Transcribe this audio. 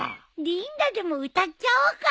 リンダでも歌っちゃおうか。